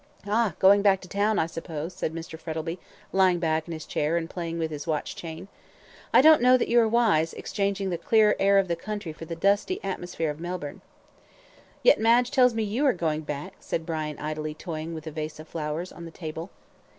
"Ah! going back to town, I suppose," said Mr. Frettlby, lying back in his chair, and playing with his watch chain. "I don't know that you are wise, exchanging the clear air of the country for the dusty atmosphere of Melbourne." "Yet Madge tells me you are going back," said Brian, idly toying with a vase of flowers on the table.